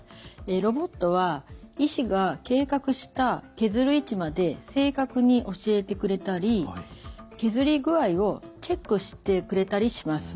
ロボットは医師が計画した削る位置まで正確に教えてくれたり削り具合をチェックしてくれたりします。